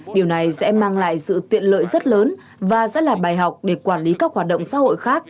điều này sẽ mang lại sự tiện lợi rất lớn và sẽ là bài học để quản lý các hoạt động xã hội khác